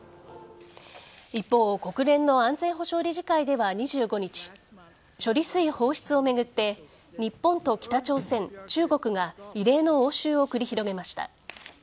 一方、国連の安全保障理事会では２５日処理水放出を巡って日本と北朝鮮、中国が異例の応酬を繰り広げました。